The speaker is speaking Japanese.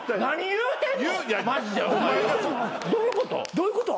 どういうこと？